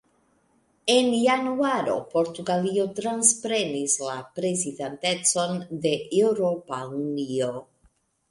En januaro Portugalio transprenis la prezidantecon de Eŭropa Unio.